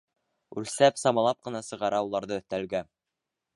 Үлсәп-самалап ҡына сығара уларҙы өҫтәлгә.